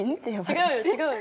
違うよ違うよ。